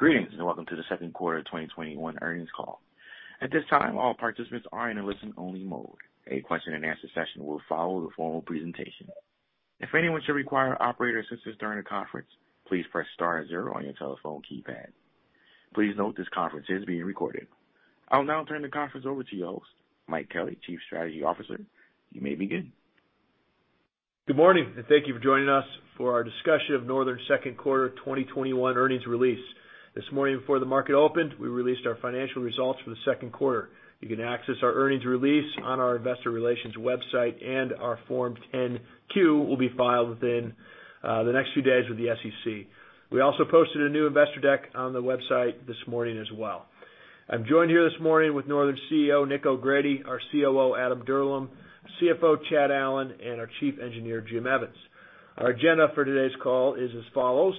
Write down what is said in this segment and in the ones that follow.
Greetings, and welcome to the second quarter 2021 earnings call. I will now turn the conference over to your host, Mike Kelly, Chief Strategy Officer. You may begin. Good morning, thank you for joining us for our discussion of Northern's second quarter 2021 earnings release. This morning before the market opened, we released our financial results for the second quarter. You can access our earnings release on our investor relations website, and our Form 10-Q will be filed within the next few days with the SEC. We also posted a new investor deck on the website this morning as well. I'm joined here this morning with Northern's CEO, Nick O'Grady, our COO, Adam Dirlam, CFO, Chad Allen, and our Chief Engineer, Jim Evans. Our agenda for today's call is as follows: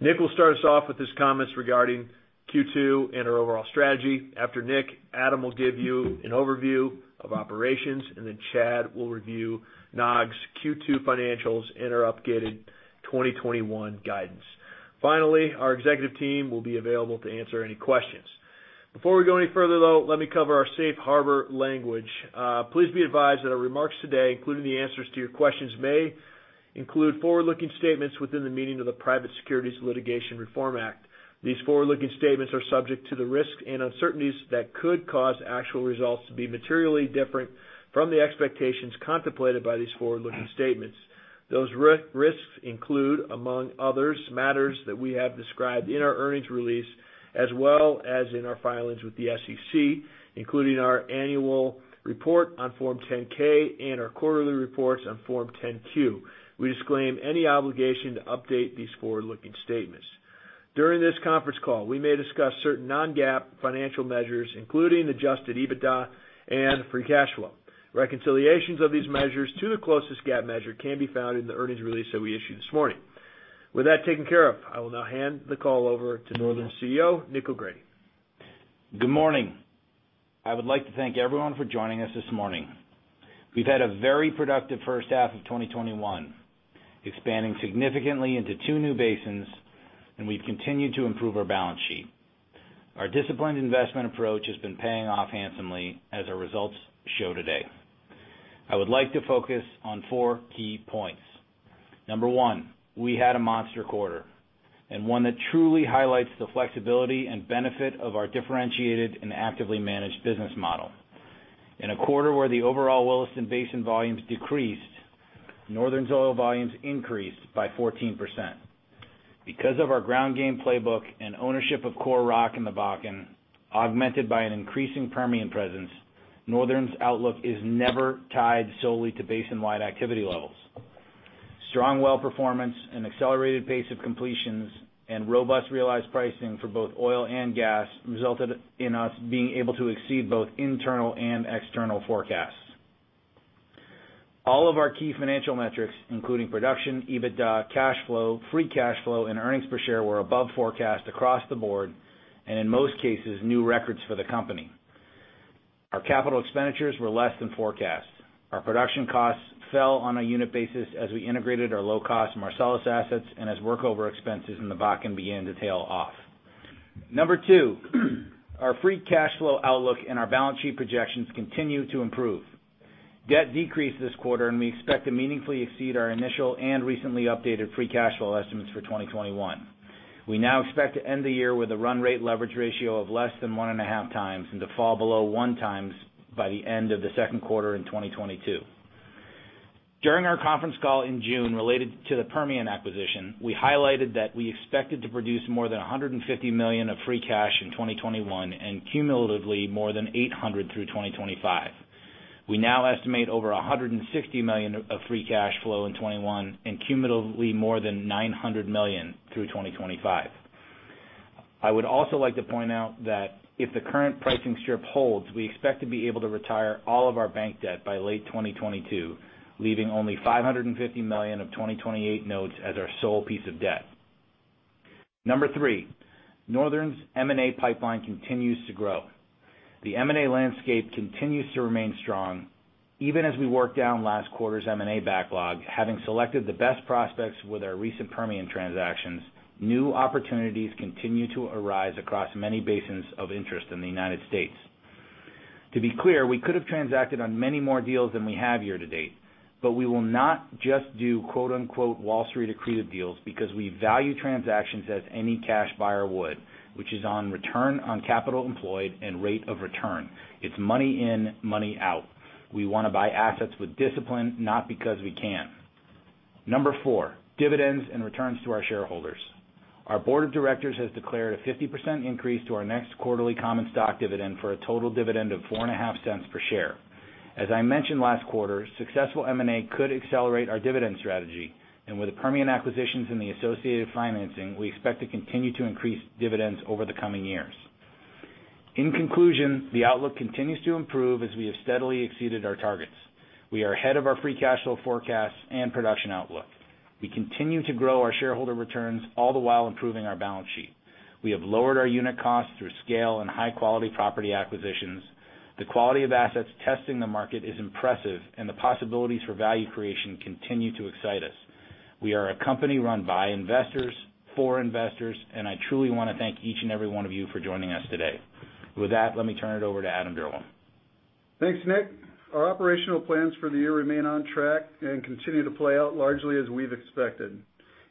Nick will start us off with his comments regarding Q2 and our overall strategy. After Nick, Adam will give you an overview of operations, then Chad will review NOG's Q2 financials and our updated 2021 guidance. Finally, our executive team will be available to answer any questions. Before we go any further though, let me cover our safe harbor language. Please be advised that our remarks today, including the answers to your questions, may include forward-looking statements within the meaning of the Private Securities Litigation Reform Act. These forward-looking statements are subject to the risks and uncertainties that could cause actual results to be materially different from the expectations contemplated by these forward-looking statements. Those risks include, among others, matters that we have described in our earnings release as well as in our filings with the SEC, including our annual report on Form 10-K and our quarterly reports on Form 10-Q. We disclaim any obligation to update these forward-looking statements. During this conference call, we may discuss certain non-GAAP financial measures, including adjusted EBITDA and free cash flow. Reconciliations of these measures to the closest GAAP measure can be found in the earnings release that we issued this morning. With that taken care of, I will now hand the call over to Northern's CEO, Nick O'Grady. Good morning. I would like to thank everyone for joining us this morning. We've had a very productive first half of 2021, expanding significantly into two new basins, and we've continued to improve our balance sheet. Our disciplined investment approach has been paying off handsomely as our results show today. I would like to focus on four key points. Number one, we had a monster quarter, and one that truly highlights the flexibility and benefit of our differentiated and actively managed business model. In a quarter where the overall Williston Basin volumes decreased, Northern's oil volumes increased by 14%. Because of our ground game playbook and ownership of core rock in the Bakken, augmented by an increasing Permian presence, Northern's outlook is never tied solely to basin-wide activity levels. Strong well performance, an accelerated pace of completions, and robust realized pricing for both oil and gas resulted in us being able to exceed both internal and external forecasts. All of our key financial metrics, including production, EBITDA, cash flow, free cash flow, and earnings per share, were above forecast across the board, and in most cases, new records for the company. Our capital expenditures were less than forecast. Our production costs fell on a unit basis as we integrated our low-cost Marcellus assets and as workover expenses in the Bakken began to tail off. Number two, our free cash flow outlook and our balance sheet projections continue to improve. Debt decreased this quarter, and we expect to meaningfully exceed our initial and recently updated free cash flow estimates for 2021. We now expect to end the year with a run rate leverage ratio of less than 1.5x and to fall below 1x by the end of the second quarter in 2022. During our conference call in June related to the Permian acquisition, we highlighted that we expected to produce more than $150 million of free cash in 2021 and cumulatively more than $800 million through 2025. We now estimate over $160 million of free cash flow in 2021 and cumulatively more than $900 million through 2025. I would also like to point out that if the current pricing strip holds, we expect to be able to retire all of our bank debt by late 2022, leaving only $550 million of 2028 notes as our sole piece of debt. Number three, Northern's M&A pipeline continues to grow. The M&A landscape continues to remain strong. Even as we work down last quarter's M&A backlog, having selected the best prospects with our recent Permian transactions, new opportunities continue to arise across many basins of interest in the U.S. To be clear, we could have transacted on many more deals than we have year to date, but we will not just do quote unquote Wall Street accretive deals because we value transactions as any cash buyer would, which is on return on capital employed and rate of return. It's money in, money out. We want to buy assets with discipline, not because we can. Number four, dividends and returns to our shareholders. Our board of directors has declared a 50% increase to our next quarterly common stock dividend for a total dividend of $0.045 per share. As I mentioned last quarter, successful M&A could accelerate our dividend strategy, and with the Permian acquisitions and the associated financing, we expect to continue to increase dividends over the coming years. In conclusion, the outlook continues to improve as we have steadily exceeded our targets. We are ahead of our free cash flow forecast and production outlook. We continue to grow our shareholder returns, all the while improving our balance sheet. We have lowered our unit costs through scale and high-quality property acquisitions. The quality of assets testing the market is impressive, and the possibilities for value creation continue to excite us. We are a company run by investors, for investors, and I truly want to thank each and every one of you for joining us today. With that, let me turn it over to Adam Dirlam. Thanks, Nick. Our operational plans for the year remain on track and continue to play out largely as we've expected.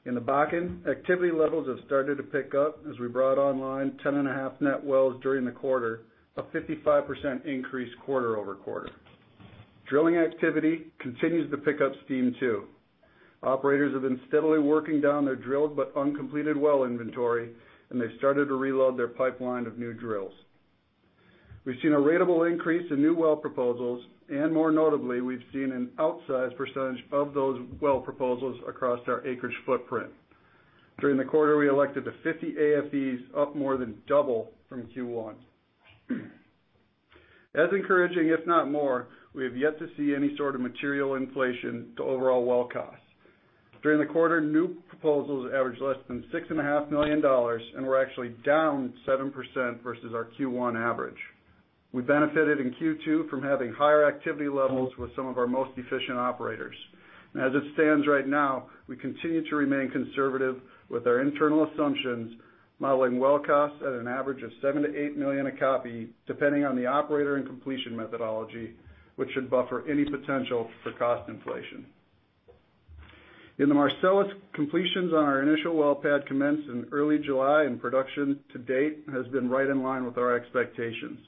In the Bakken, activity levels have started to pick up as we brought online 10.5 net wells during the quarter, a 55% increase quarter-over-quarter. Drilling activity continues to pick up steam too. Operators have been steadily working down their drilled but uncompleted well inventory, and they've started to reload their pipeline of new drills. We've seen a ratable increase in new well proposals, and more notably, we've seen an outsized percentage of those well proposals across our acreage footprint. During the quarter, we elected to 50 AFEs, up more than double from Q1. As encouraging, if not more, we have yet to see any sort of material inflation to overall well costs. During the quarter, new proposals averaged less than $6.5 million and were actually down 7% versus our Q1 average. We benefited in Q2 from having higher activity levels with some of our most efficient operators. As it stands right now, we continue to remain conservative with our internal assumptions, modeling well costs at an average of $7 million-$8 million a copy, depending on the operator and completion methodology, which should buffer any potential for cost inflation. In the Marcellus, completions on our initial well pad commenced in early July, and production to date has been right in line with our expectations.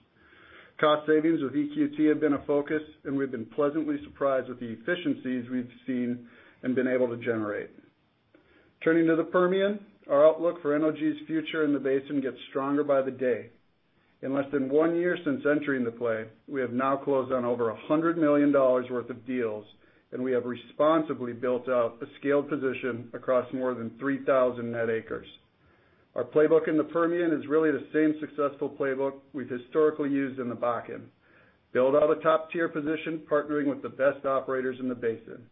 Cost savings with EQT have been a focus, and we've been pleasantly surprised with the efficiencies we've seen and been able to generate. Turning to the Permian, our outlook for NOG's future in the basin gets stronger by the day. In less than one year since entering the play, we have now closed on over $100 million worth of deals, and we have responsibly built out a scaled position across more than 3,000 net acres. Our playbook in the Permian is really the same successful playbook we've historically used in the Bakken. Build out a top-tier position, partnering with the best operators in the basin.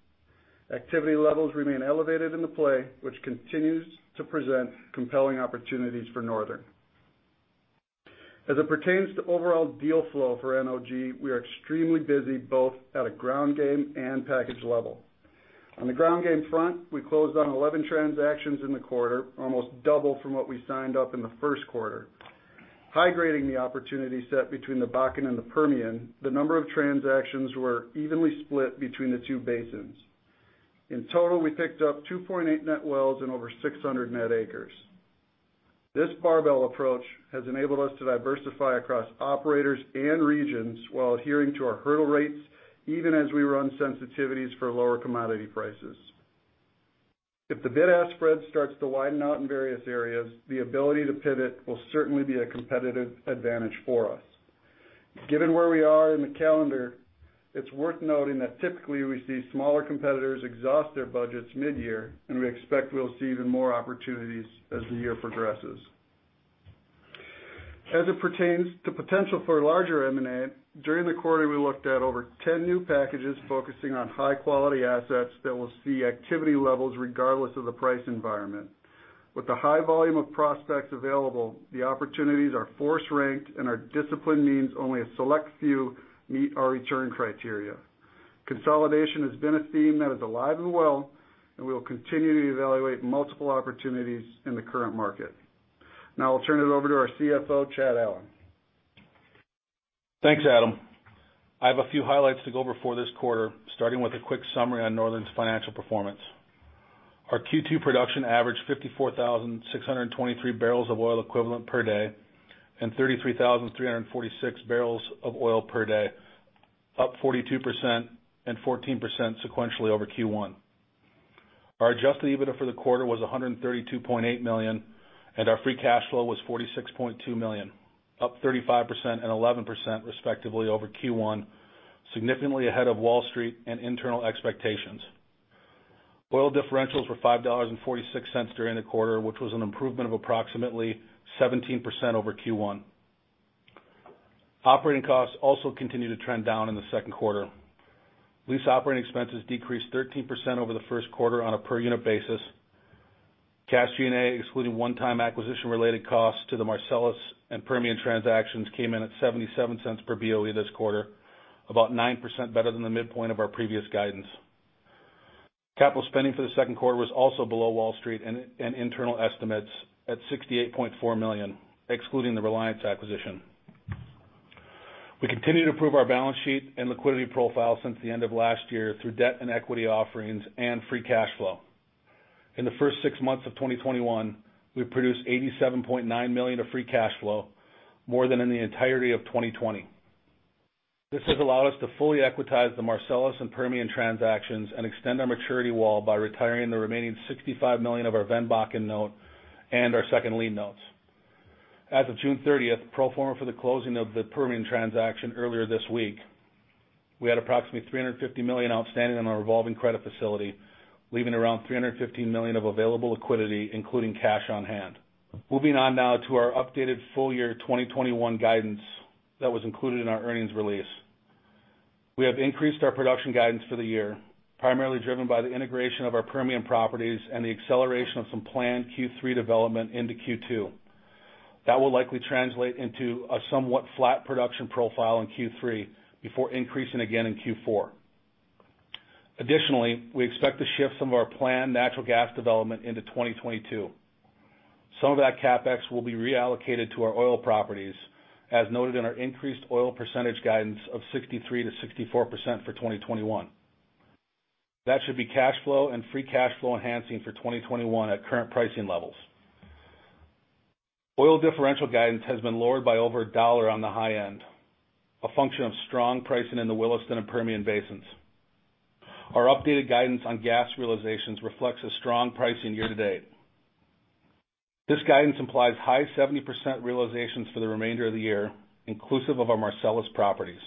Activity levels remain elevated in the play, which continues to present compelling opportunities for Northern. As it pertains to overall deal flow for NOG, we are extremely busy both at a ground game and package level. On the ground game front, we closed on 11 transactions in the quarter, almost double from what we signed up in the first quarter. High-grading the opportunity set between the Bakken and the Permian, the number of transactions were evenly split between the two basins. In total, we picked up 2.8 net wells and over 600 net acres. This barbell approach has enabled us to diversify across operators and regions while adhering to our hurdle rates, even as we run sensitivities for lower commodity prices. If the bid-ask spread starts to widen out in various areas, the ability to pivot will certainly be a competitive advantage for us. Given where we are in the calendar, it's worth noting that typically we see smaller competitors exhaust their budgets mid-year, and we expect we'll see even more opportunities as the year progresses. As it pertains to potential for larger M&A, during the quarter, we looked at over 10 new packages focusing on high-quality assets that will see activity levels regardless of the price environment. With the high volume of prospects available, the opportunities are force ranked and our discipline means only a select few meet our return criteria. Consolidation has been a theme that is alive and well, and we will continue to evaluate multiple opportunities in the current market. Now I'll turn it over to our CFO, Chad Allen. Thanks, Adam. I have a few highlights to go over for this quarter, starting with a quick summary on Northern's financial performance. Our Q2 production averaged 54,623 barrels of oil equivalent per day and 33,346 barrels of oil per day, up 42% and 14% sequentially over Q1. Our adjusted EBITDA for the quarter was $132.8 million, and our free cash flow was $46.2 million, up 35% and 11% respectively over Q1, significantly ahead of Wall Street and internal expectations. Oil differentials were $5.46 during the quarter, which was an improvement of approximately 17% over Q1. Operating costs also continued to trend down in the second quarter. Lease operating expenses decreased 13% over the first quarter on a per unit basis. Cash G&A, excluding one-time acquisition-related costs to the Marcellus and Permian transactions, came in at $0.77 per BOE this quarter, about 9% better than the midpoint of our previous guidance. Capital spending for the second quarter was also below Wall Street and internal estimates at $68.4 million, excluding the Reliance acquisition. We continue to improve our balance sheet and liquidity profile since the end of last year through debt and equity offerings and free cash flow. In the first six months of 2021, we produced $87.9 million of free cash flow, more than in the entirety of 2020. This has allowed us to fully equitize the Marcellus and Permian transactions and extend our maturity wall by retiring the remaining $65 million of our VEN Bakken note and our second lien notes. As of June 30th, pro forma for the closing of the Permian transaction earlier this week, we had approximately $350 million outstanding on our revolving credit facility, leaving around $315 million of available liquidity, including cash on hand. Moving on now to our updated full year 2021 guidance that was included in our earnings release. We have increased our production guidance for the year, primarily driven by the integration of our Permian properties and the acceleration of some planned Q3 development into Q2. That will likely translate into a somewhat flat production profile in Q3 before increasing again in Q4. Additionally, we expect to shift some of our planned natural gas development into 2022. Some of that CapEx will be reallocated to our oil properties, as noted in our increased oil percentage guidance of 63%-64% for 2021. That should be cash flow and free cash flow enhancing for 2021 at current pricing levels. Oil differential guidance has been lowered by over $1 on the high end, a function of strong pricing in the Williston and Permian basins. Our updated guidance on gas realizations reflects a strong pricing year to date. This guidance implies high 70% realizations for the remainder of the year, inclusive of our Marcellus properties.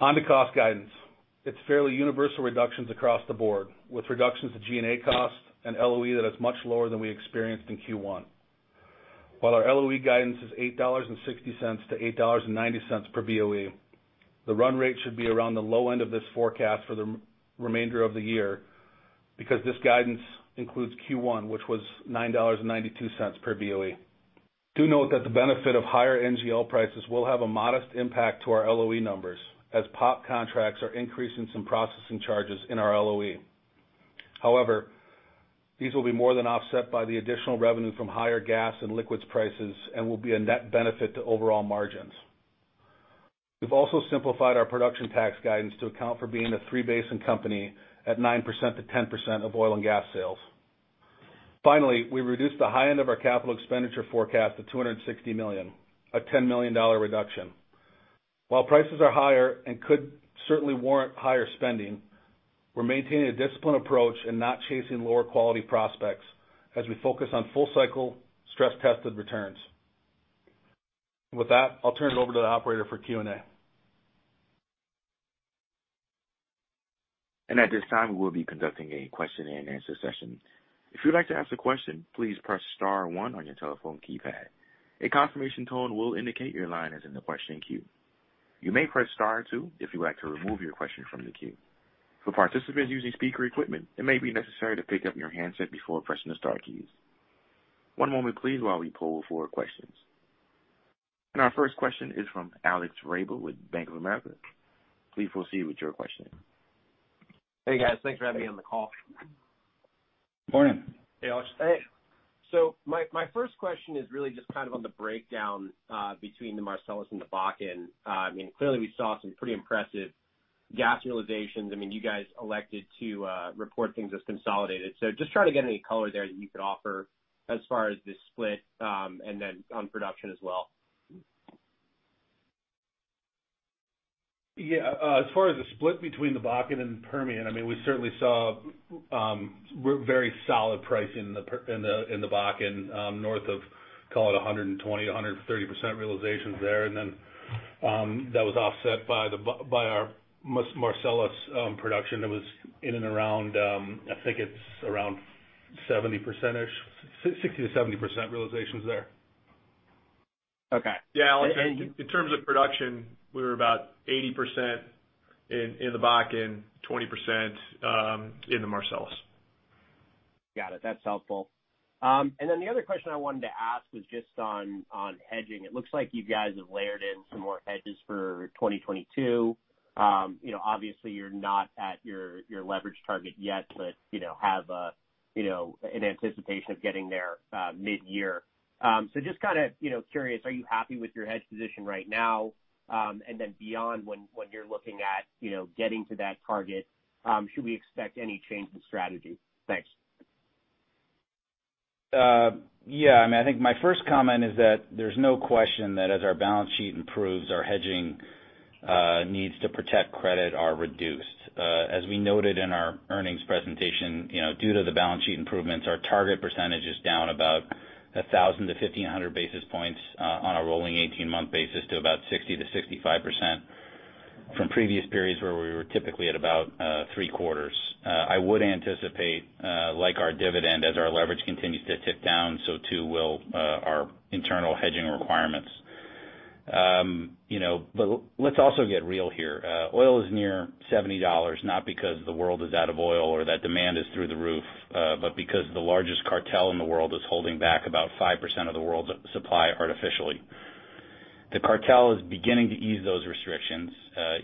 On to cost guidance. It's fairly universal reductions across the board, with reductions to G&A costs and LOE that is much lower than we experienced in Q1. While our LOE guidance is $8.60-$8.90 per BOE, the run rate should be around the low end of this forecast for the remainder of the year because this guidance includes Q1, which was $9.92 per BOE. Do note that the benefit of higher NGL prices will have a modest impact to our LOE numbers as POP contracts are increasing some processing charges in our LOE. However, these will be more than offset by the additional revenue from higher gas and liquids prices and will be a net benefit to overall margins. We've also simplified our production tax guidance to account for being a three-basin company at 9%-10% of oil and gas sales. Finally, we reduced the high end of our capital expenditure forecast to $260 million, a $10 million reduction. While prices are higher and could certainly warrant higher spending, we're maintaining a disciplined approach and not chasing lower quality prospects as we focus on full cycle stress-tested returns. With that, I'll turn it over to the operator for Q&A. Our first question is from Alec Rebello with Bank of America. Please proceed with your questioning. Hey, guys. Thanks for having me on the call. Morning. Hey, Alec. Hey. My first question is really just on the breakdown between the Marcellus and the Bakken. Clearly, we saw some pretty impressive gas realizations. You guys elected to report things as consolidated. Just trying to get any color there that you could offer as far as the split, and then on production as well. Yeah. As far as the split between the Bakken and Permian, we certainly saw very solid pricing in the Bakken, north of, call it 120%, 130% realizations there. That was offset by our Marcellus production that was in and around, I think it's around 70%-ish, 60%-70% realizations there. Okay. Yeah, Alex. In terms of production, we were about 80% in the Bakken, 20% in the Marcellus. Got it. That's helpful. The other question I wanted to ask was just on hedging. It looks like you guys have layered in some more hedges for 2022. Obviously, you're not at your leverage target yet, but have an anticipation of getting there mid-year. Just curious, are you happy with your hedge position right now? Beyond when you're looking at getting to that target, should we expect any change in strategy? Thanks. Yeah. I think my first comment is that there's no question that as our balance sheet improves, our hedging needs to protect credit are reduced. As we noted in our earnings presentation, due to the balance sheet improvements, our target percentage is down about 1,000 basis points-1,500 basis points on a rolling 18-month basis to about 60%-65% from previous periods where we were typically at about three quarters. I would anticipate, like our dividend, as our leverage continues to tick down, so too will our internal hedging requirements. But let's also get real here. Oil is near $70, not because the world is out of oil or that demand is through the roof, but because the largest cartel in the world is holding back about 5% of the world's supply artificially. The cartel is beginning to ease those restrictions.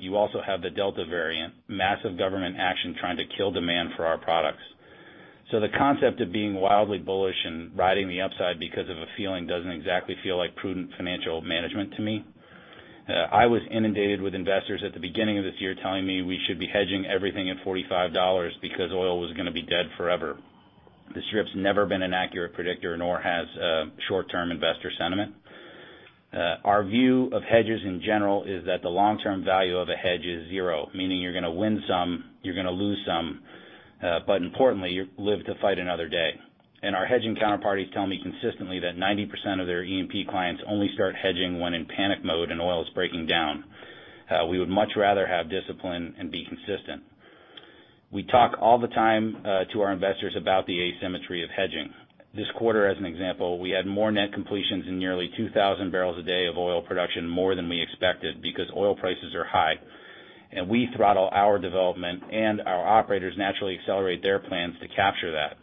You also have the Delta variant, massive government action trying to kill demand for our products. The concept of being wildly bullish and riding the upside because of a feeling doesn't exactly feel like prudent financial management to me. I was inundated with investors at the beginning of this year telling me we should be hedging everything at $45 because oil was going to be dead forever. The strip's never been an accurate predictor, nor has short-term investor sentiment. Our view of hedges in general is that the long-term value of a hedge is zero, meaning you're going to win some, you're going to lose some. Importantly, you live to fight another day. Our hedging counterparties tell me consistently that 90% of their E&P clients only start hedging when in panic mode and oil is breaking down. We would much rather have discipline and be consistent. We talk all the time to our investors about the asymmetry of hedging. This quarter, as an example, we had more net completions in nearly 2,000 barrels a day of oil production, more than we expected because oil prices are high, and we throttle our development, and our operators naturally accelerate their plans to capture that.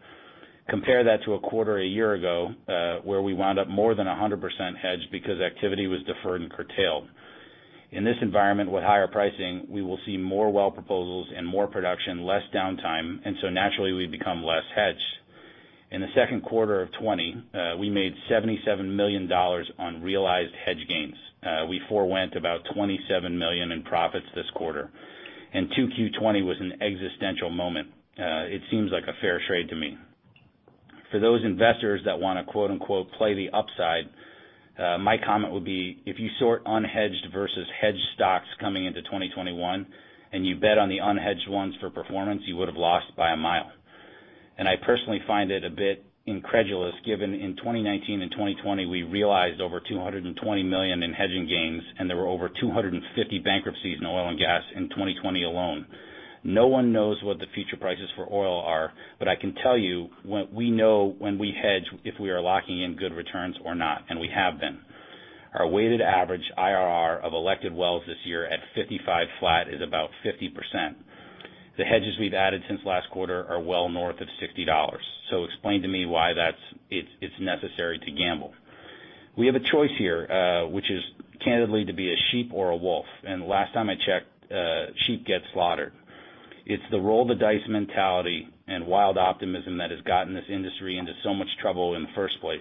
Compare that to a quarter a year ago, where we wound up more than 100% hedged because activity was deferred and curtailed. In this environment, with higher pricing, we will see more well proposals and more production, less downtime, and so naturally we become less hedged. In the second quarter of 2020, we made $77 million on realized hedge gains. We forewent about $27 million in profits this quarter, and 2Q 2020 was an existential moment. It seems like a fair trade to me. For those investors that want to quote unquote, "play the upside," my comment would be, if you sort unhedged versus hedged stocks coming into 2021, and you bet on the unhedged ones for performance, you would have lost by a mile. I personally find it a bit incredulous given in 2019 and 2020, we realized over $220 million in hedging gains, and there were over 250 bankruptcies in oil and gas in 2020 alone. No one knows what the future prices for oil are, but I can tell you what we know when we hedge if we are locking in good returns or not, and we have been. Our weighted average IRR of elected wells this year at $55 flat is about 50%. The hedges we've added since last quarter are well north of $60. Explain to me why it's necessary to gamble? We have a choice here, which is candidly to be a sheep or a wolf, and last time I checked, sheep get slaughtered. It's the roll of the dice mentality and wild optimism that has gotten this industry into so much trouble in the first place.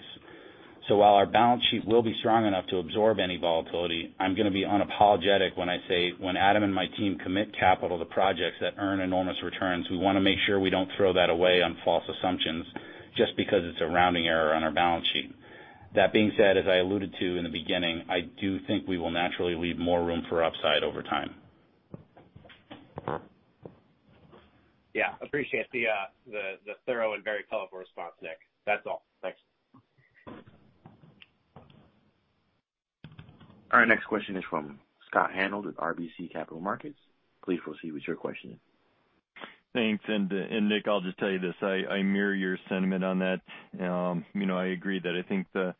While our balance sheet will be strong enough to absorb any volatility, I'm going to be unapologetic when I say, when Adam and my team commit capital to projects that earn enormous returns, we want to make sure we don't throw that away on false assumptions just because it's a rounding error on our balance sheet. That being said, as I alluded to in the beginning, I do think we will naturally leave more room for upside over time. Yeah. Appreciate the thorough and very colorful response, Nick. That's all. Thanks. Our next question is from Scott Hanold with RBC Capital Markets. Please proceed with your question. Thanks. Nick, I'll just tell you this, I mirror your sentiment on that. I agree that I think the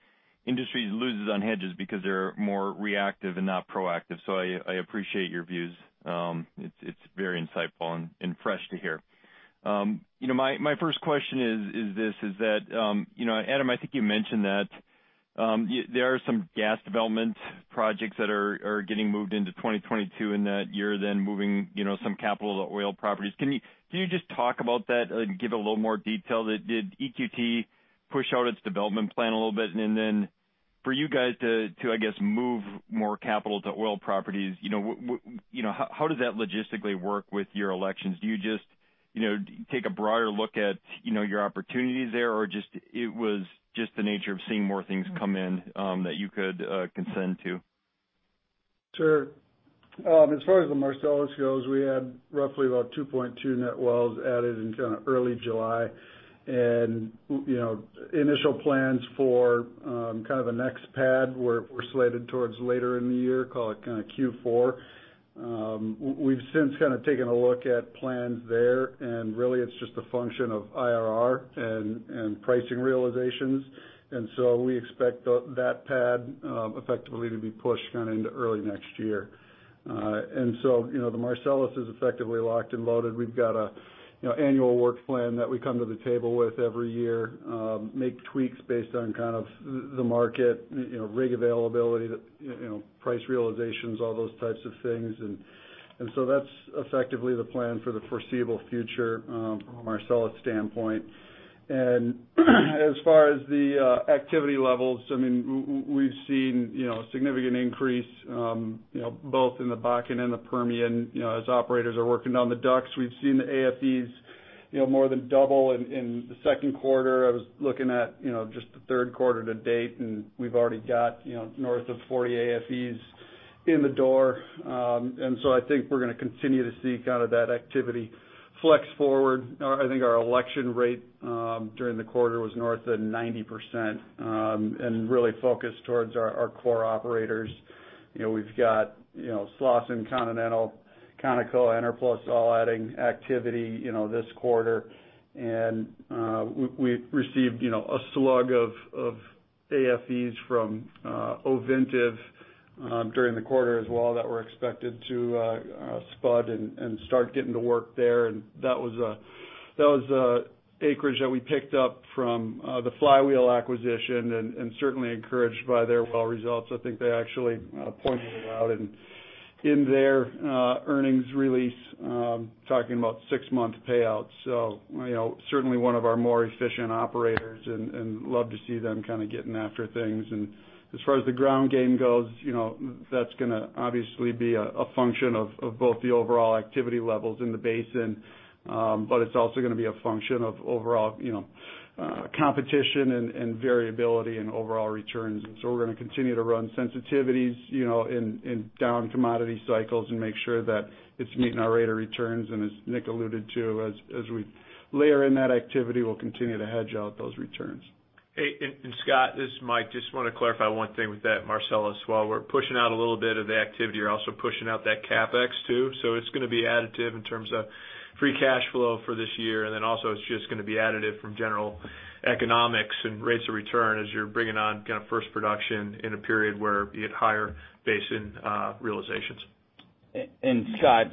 industry loses on hedges because they're more reactive and not proactive. I appreciate your views. It's very insightful and fresh to hear. My first question is this, is that Adam, I think you mentioned that there are some gas development projects that are getting moved into 2022 and that you're then moving some capital to oil properties. Can you just talk about that and give a little more detail? Did EQT Corporation push out its development plan a little bit? For you guys to, I guess, move more capital to oil properties, how does that logistically work with your elections? Do you just take a broader look at your opportunities there, or it was just the nature of seeing more things come in that you could consent to? Sure. As far as the Marcellus goes, we had roughly about 2.2 net wells added in early July. Initial plans for a next pad were slated towards later in the year, call it Q4. We've since taken a look at plans there, really it's just a function of IRR and pricing realizations. So we expect that pad effectively to be pushed into early next year. So, the Marcellus is effectively locked and loaded. We've got a annual work plan that we come to the table with every year, make tweaks based on the market, rig availability, price realizations, all those types of things. So that's effectively the plan for the foreseeable future from a Marcellus standpoint. As far as the activity levels, we've seen a significant increase both in the Bakken and the Permian, as operators are working down the DUCs. We've seen the AFEs more than double in the second quarter. I was looking at just the third quarter to date, we've already got north of 40 AFEs in the door. I think we're going to continue to see that activity flex forward. I think our election rate during the quarter was north of 90%, really focused towards our core operators. We've got Slawson, Continental, Conoco, Enerplus all adding activity this quarter. We received a slug of AFEs from Ovintiv during the quarter as well that were expected to spud and start getting to work there. That was acreage that we picked up from the Flywheel acquisition and certainly encouraged by their well results. I think they actually pointed it out in their earnings release, talking about six-month payouts. Certainly one of our more efficient operators and love to see them getting after things. As far as the ground game goes, that's going to obviously be a function of both the overall activity levels in the basin. But it's also going to be a function of overall competition and variability and overall returns. We're going to continue to run sensitivities in down commodity cycles and make sure that it's meeting our rate of returns. As Nick alluded to, as we layer in that activity, we'll continue to hedge out those returns. Hey, Scott, this is Mike, just want to clarify one thing with that Marcellus. While we're pushing out a little bit of the activity, you're also pushing out that CapEx too. It's going to be additive in terms of free cash flow for this year. Also it's just going to be additive from general economics and rates of return as you're bringing on first production in a period where you get higher basin realizations. Scott,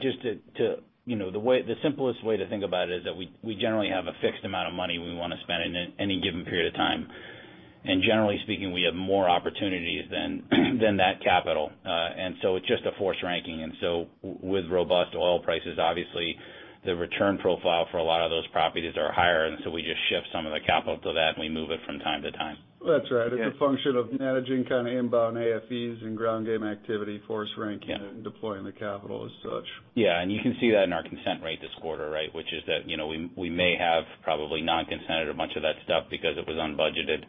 the simplest way to think about it is that we generally have a fixed amount of money we want to spend in any given period of time. Generally speaking, we have more opportunities than that capital. It's just a force ranking. With robust oil prices, obviously the return profile for a lot of those properties are higher, and so we just shift some of the capital to that, and we move it from time to time. That's right. It's a function of managing inbound AFEs and ground game activity, force ranking and deploying the capital as such. Yeah. You can see that in our consent rate this quarter, which is that we may have probably non-consented a bunch of that stuff because it was unbudgeted.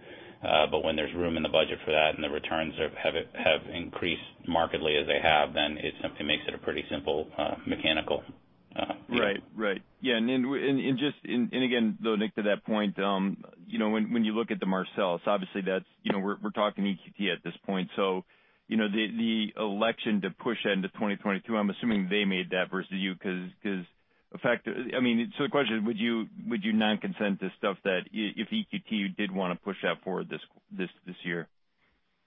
When there's room in the budget for that and the returns have increased markedly as they have, then it simply makes it a pretty simple mechanical deal. Right. Yeah, and again, though, Nick, to that point, when you look at the Marcellus, obviously we're talking EQT at this point. The election to push into 2022, I'm assuming they made that versus you, because so the question is, would you non-consent to stuff that if EQT did want to push out for this year?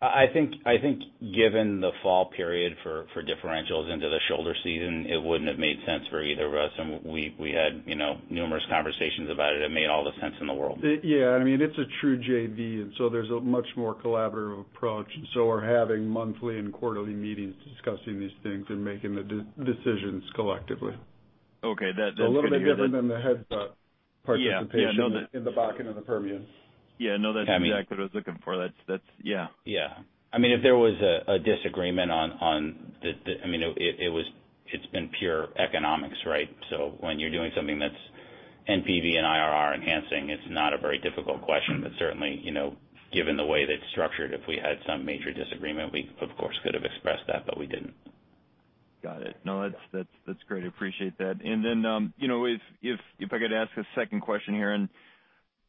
I think given the fall period for differentials into the shoulder season, it wouldn't have made sense for either of us, and we had numerous conversations about it. It made all the sense in the world. Yeah. It's a true JV, and so there's a much more collaborative approach. We're having monthly and quarterly meetings discussing these things and making the decisions collectively. Okay. That's good to hear. A little bit different than the Head Start participation. Yeah in the Bakken and the Permian. Yeah. No, that's exactly what I was looking for. Yeah. Yeah. If there was a disagreement, it's been pure economics, right? When you're doing something that's NPV and IRR enhancing, it's not a very difficult question. Certainly, given the way that's structured, if we had some major disagreement, we of course, could have expressed that, but we didn't. Got it. No, that's great. Appreciate that. If I could ask a second question here,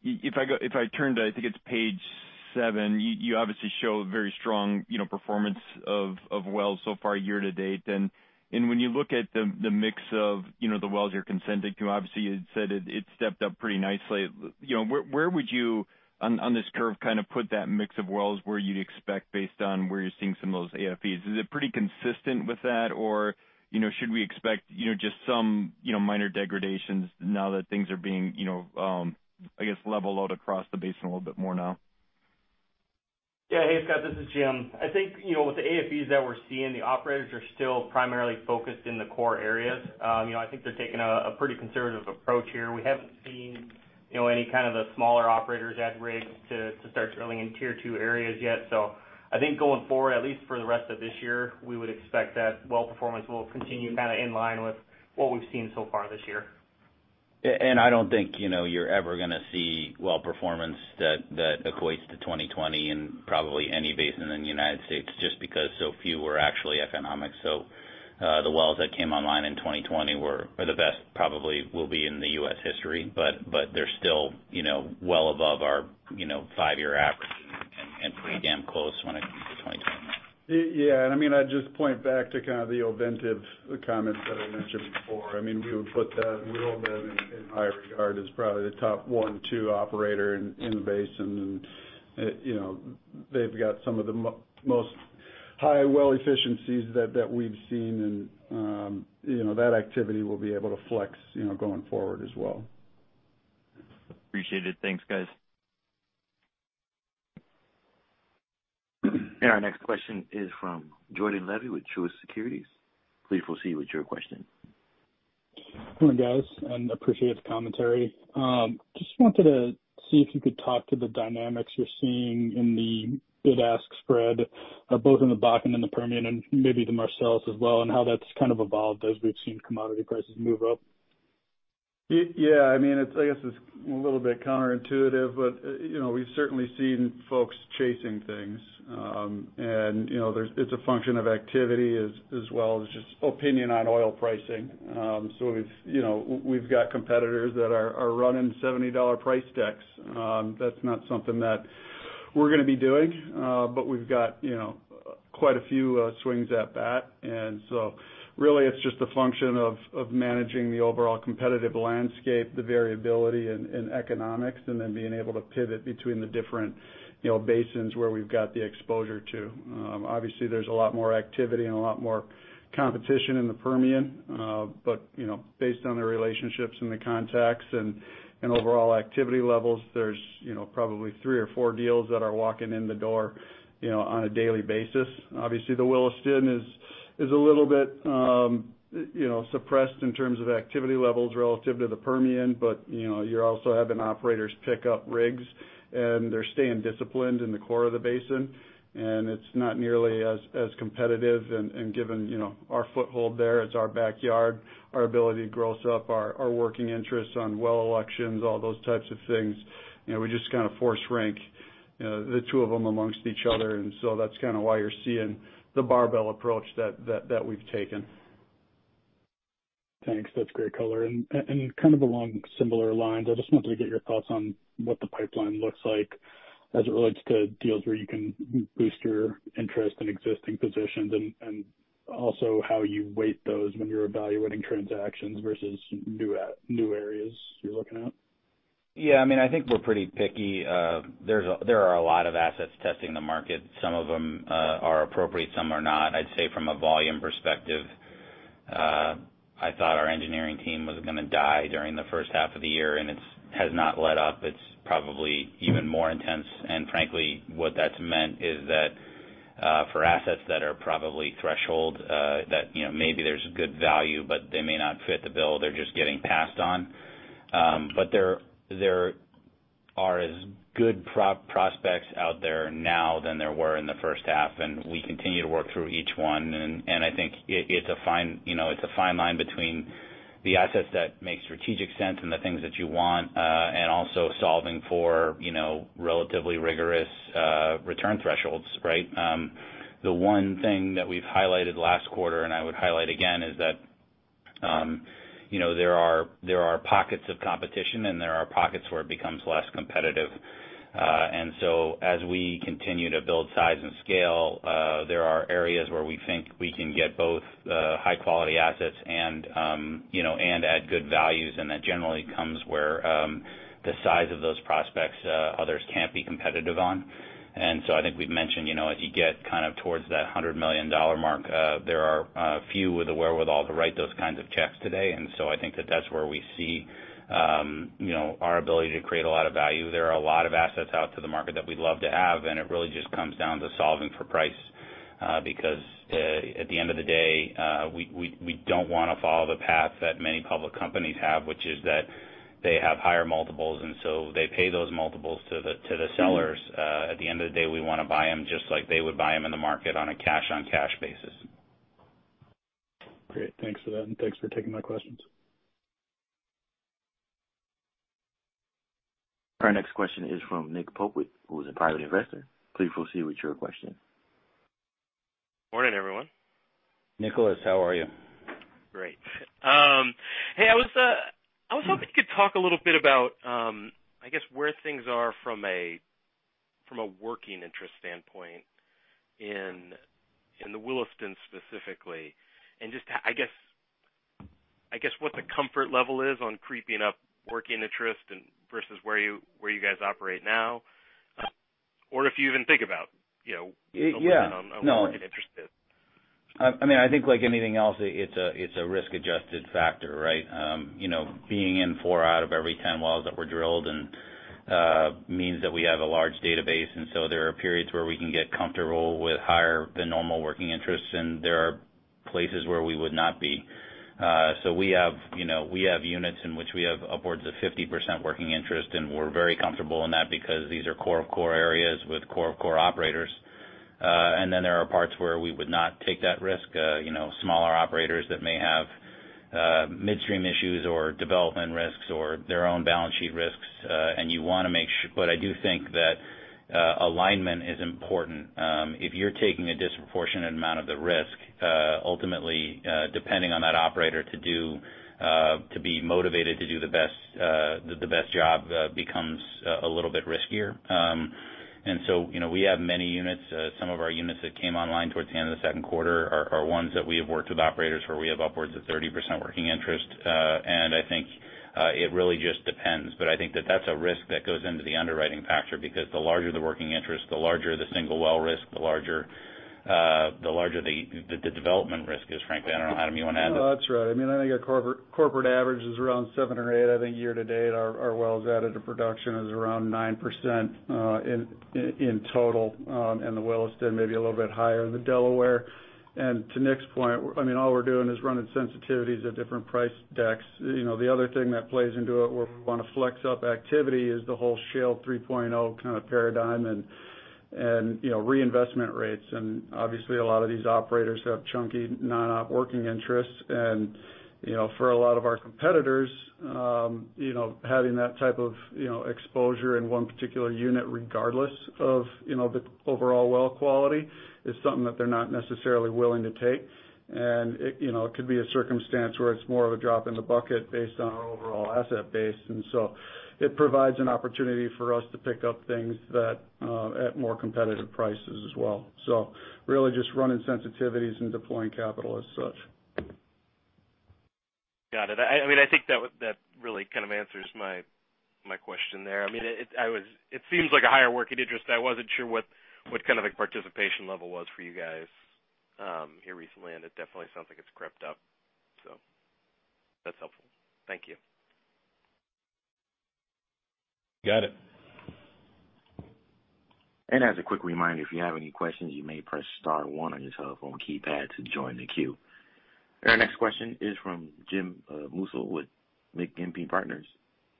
if I turn to, I think it's page seven, you obviously show very strong performance of wells so far year to date. When you look at the mix of the wells you're consenting to, obviously, you had said it stepped up pretty nicely. Where would you, on this curve, put that mix of wells where you'd expect based on where you're seeing some of those AFEs? Is it pretty consistent with that? Should we expect just some minor degradations now that things are being, I guess, level load across the basin a little bit more now? Yeah. Hey, Scott, this is Jim. I think, with the AFEs that we're seeing, the operators are still primarily focused in the core areas. I think they're taking a pretty conservative approach here. We haven't seen any kind of the smaller operators add rigs to start drilling in tier two areas yet. I think going forward, at least for the rest of this year, we would expect that well performance will continue in line with what we've seen so far this year. I don't think you're ever going to see well performance that equates to 2020 in probably any basin in the United States just because so few were actually economic. The wells that came online in 2020 were the best probably will be in the U.S. history, but they're still well above our five-year averages and pretty damn close when it comes to 2020. Yeah. I'd just point back to the Ovintiv comments that I mentioned before. We hold them in high regard as probably the top one, two operator in the basin, and they've got some of the most high well efficiencies that we've seen, and that activity we'll be able to flex going forward as well. Appreciate it. Thanks, guys. Our next question is from Jordan Levy with Truist Securities. Please proceed with your question. Good morning, guys. Appreciate the commentary. Just wanted to see if you could talk to the dynamics you're seeing in the bid-ask spread, both in the Bakken and the Permian, and maybe the Marcellus as well, and how that's evolved as we've seen commodity prices move up. Yeah. I guess it's a little bit counterintuitive, but we've certainly seen folks chasing things. It's a function of activity as well as just opinion on oil pricing. We've got competitors that are running $70 price decks. That's not something that we're going to be doing. We've got quite a few swings at bat, really it's just a function of managing the overall competitive landscape, the variability in economics, and then being able to pivot between the different basins where we've got the exposure to. Obviously, there's a lot more activity and a lot more competition in the Permian. Based on the relationships and the contacts and overall activity levels, there's probably three or four deals that are walking in the door on a daily basis. Obviously, the Williston is a little bit suppressed in terms of activity levels relative to the Permian. You're also having operators pick up rigs, and they're staying disciplined in the core of the basin, and it's not nearly as competitive, and given our foothold there, it's our backyard, our ability to gross up our working interests on well elections, all those types of things. We just force rank the two of them amongst each other. That's why you're seeing the barbell approach that we've taken. Thanks. That's great color. Along similar lines, I just wanted to get your thoughts on what the pipeline looks like as it relates to deals where you can boost your interest in existing positions, and also how you weight those when you're evaluating transactions versus new areas you're looking at. I think we're pretty picky. There are a lot of assets testing the market. Some of them are appropriate, some are not. I'd say from a volume perspective, I thought our engineering team was going to die during the first half of the year, and it has not let up. It's probably even more intense. Frankly, what that's meant is that for assets that are probably threshold, that maybe there's good value, but they may not fit the bill, they're just getting passed on. There are as good prospects out there now than there were in the first half, and we continue to work through each one. I think it's a fine line between the assets that make strategic sense and the things that you want, and also solving for relatively rigorous return thresholds, right? The one thing that we've highlighted last quarter, and I would highlight again, is that there are pockets of competition and there are pockets where it becomes less competitive. As we continue to build size and scale, there are areas where we think we can get both high-quality assets and add good values, and that generally comes where the size of those prospects others can't be competitive on. I think we've mentioned, as you get towards that $100 million mark, there are few with the wherewithal to write those kinds of checks today. I think that that's where we see our ability to create a lot of value. There are a lot of assets out to the market that we'd love to have, and it really just comes down to solving for price. At the end of the day, we don't want to follow the path that many public companies have, which is that they have higher multiples, they pay those multiples to the sellers. At the end of the day, we want to buy them just like they would buy them in the market on a cash-on-cash basis. Great. Thanks for that, and thanks for taking my questions. Our next question is from Nick Popovic, who is a Private Investor. Please proceed with your question. Morning, everyone. Nicholas, how are you? Great. Hey, I was hoping you could talk a little bit about, I guess, where things are from a working interest standpoint in the Williston specifically. Just, I guess what the comfort level is on creeping up working interest versus where you guys operate now, or if you even think about working interest is? Yeah. No. I think like anything else, it's a risk-adjusted factor, right? Being in four out of every 10 wells that were drilled means that we have a large database, and so there are periods where we can get comfortable with higher than normal working interest, and there are places where we would not be. We have units in which we have upwards of 50% working interest, and we're very comfortable in that because these are core of core areas with core of core operators. There are parts where we would not take that risk, smaller operators that may have midstream issues or development risks or their own balance sheet risks. I do think that alignment is important. If you're taking a disproportionate amount of the risk, ultimately, depending on that operator to be motivated to do the best job becomes a little bit riskier. We have many units. Some of our units that came online towards the end of the second quarter are ones that we have worked with operators where we have upwards of 30% working interest. I think it really just depends. I think that that's a risk that goes into the underwriting factor, because the larger the working interest, the larger the single well risk, the larger the development risk is, frankly. I don't know, Adam, you want to add? No, that's right. I think our corporate average is around seven or eight. I think year to date, our wells added to production is around 9% in total, in the Williston, maybe a little bit higher in the Delaware. To Nick's point, all we're doing is running sensitivities at different price decks. The other thing that plays into it, where we want to flex up activity is the whole Shale 3.0 paradigm and reinvestment rates. Obviously, a lot of these operators have chunky non-op working interests. For a lot of our competitors, having that type of exposure in one particular unit, regardless of the overall well quality, is something that they're not necessarily willing to take. It could be a circumstance where it's more of a drop in the bucket based on our overall asset base. It provides an opportunity for us to pick up things at more competitive prices as well. Really just running sensitivities and deploying capital as such. Got it. I think that really answers my question there. It seems like a higher working interest. I wasn't sure what kind of participation level was for you guys here recently, and it definitely sounds like it's crept up. That's helpful. Thank you. Got it. As a quick reminder, if you have any questions, you may press star one on your telephone keypad to join the queue. Our next question is from Jim Musil with MEG E&P Partners.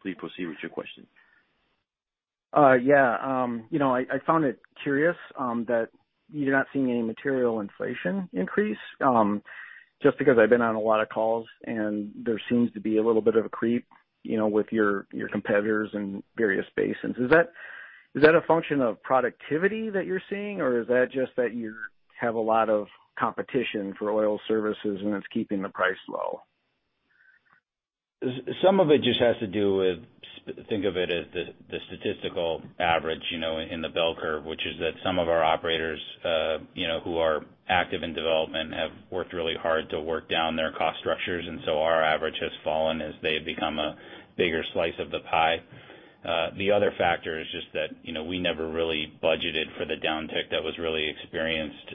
Please proceed with your question. Yeah. I found it curious that you're not seeing any material inflation increase. Because I've been on a lot of calls, and there seems to be a little bit of a creep with your competitors in various basins. Is that a function of productivity that you're seeing, or is that just that you have a lot of competition for oil services and it's keeping the price low? Some of it just has to do with Think of it as the statistical average in the bell curve, which is that some of our operators who are active in development have worked really hard to work down their cost structures. Our average has fallen as they have become a bigger slice of the pie. The other factor is just that we never really budgeted for the downtick that was really experienced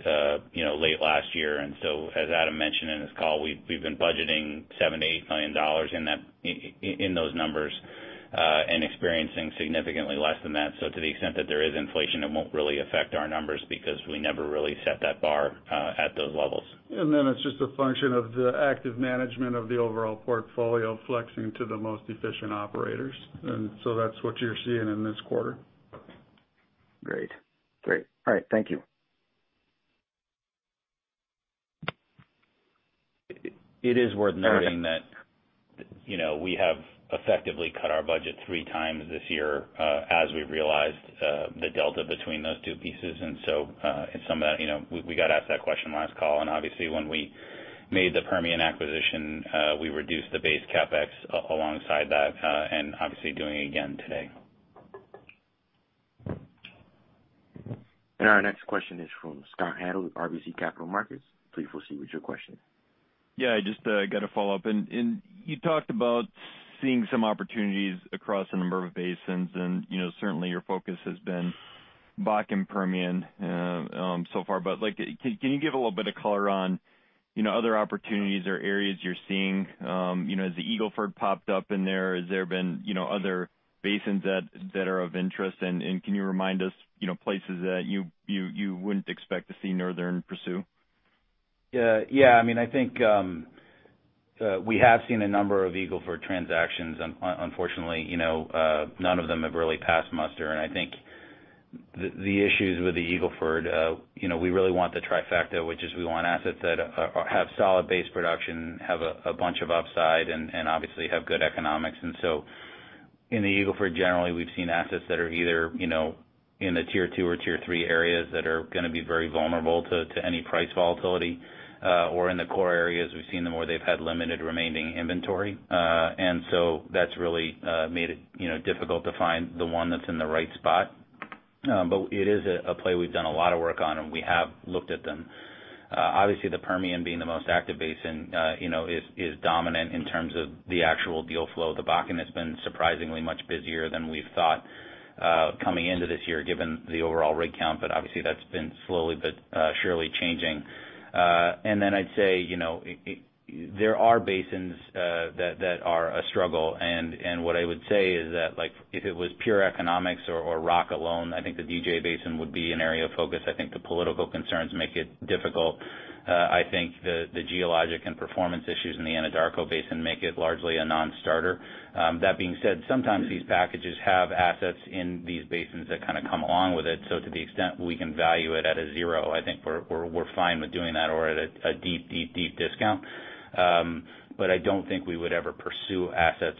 late last year. As Adam mentioned in his call, we've been budgeting $7 million-$8 million in those numbers and experiencing significantly less than that. To the extent that there is inflation, it won't really affect our numbers because we never really set that bar at those levels. Then it's just a function of the active management of the overall portfolio flexing to the most efficient operators. So that's what you're seeing in this quarter. Great. All right. Thank you. It is worth noting that we have effectively cut our budget 3x this year as we realized the delta between those two pieces. We got asked that question last call, and obviously when we made the Permian acquisition, we reduced the base CapEx alongside that, and obviously doing it again today. Our next question is from Scott Hanold, RBC Capital Markets. Please proceed with your question. Yeah, I just got a follow-up. You talked about seeing some opportunities across a number of basins and certainly your focus has been Bakken Permian so far. Can you give a little bit of color on other opportunities or areas you're seeing? Has the Eagle Ford popped up in there? Has there been other basins that are of interest? Can you remind us places that you wouldn't expect to see Northern pursue? I think we have seen a number of Eagle Ford transactions. Unfortunately, none of them have really passed muster. I think the issues with the Eagle Ford, we really want the trifecta, which is we want assets that have solid base production, have a bunch of upside, and obviously have good economics. In the Eagle Ford, generally, we've seen assets that are either in the tier two or tier three areas that are going to be very vulnerable to any price volatility. In the core areas, we've seen them where they've had limited remaining inventory. That's really made it difficult to find the one that's in the right spot. It is a play we've done a lot of work on, and we have looked at them. Obviously, the Permian being the most active basin is dominant in terms of the actual deal flow. The Bakken has been surprisingly much busier than we've thought coming into this year given the overall rig count. Obviously that's been slowly but surely changing. Then I'd say there are basins that are a struggle, and what I would say is that if it was pure economics or rock alone, I think the DJ basin would be an area of focus. I think the political concerns make it difficult. I think the geologic and performance issues in the Anadarko basin make it largely a non-starter. That being said, sometimes these packages have assets in these basins that kind of come along with it. To the extent we can value it at a zero, I think we're fine with doing that or at a deep discount. I don't think we would ever pursue assets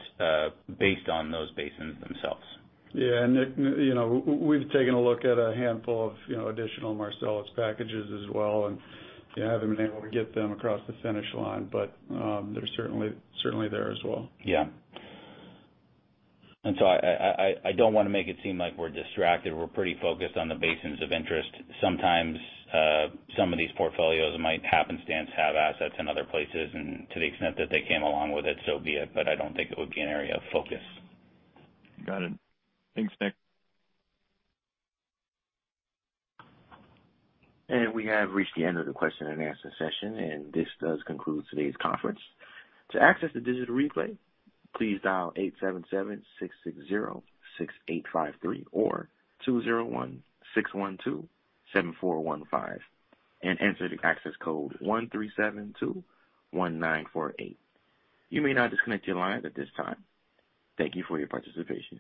based on those basins themselves. Yeah. Nick, we've taken a look at a handful of additional Marcellus packages as well, and yeah, haven't been able to get them across the finish line, but they're certainly there as well. Yeah. I don't want to make it seem like we're distracted. We're pretty focused on the basins of interest. Sometimes some of these portfolios might happenstance have assets in other places, and to the extent that they came along with it, so be it, but I don't think it would be an area of focus. Got it. Thanks, Nick. And we have reached the end of the question-and-answer session, and this does conclude today's conference. To access the digital replay, please dial eight seven seven, six six zero, six eight five three or two zero one, six one two, seven four one five and enter the access code one three seven two, one nine four eight. You may now disconnect your lines at this time. Thank you for your participation.